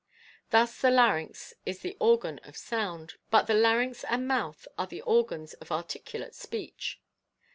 Thus the larynx is the organ of sound; but the larynx and mouth are the organs of articulate speech.